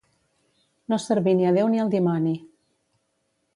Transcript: No servir ni a Déu ni al dimoni.